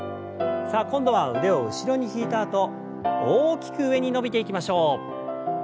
さあ今度は腕を後ろに引いたあと大きく上に伸びていきましょう。